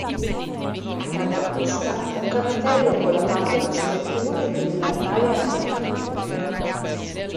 Accanto a questa un capitello con la parte posteriore di un animale alato.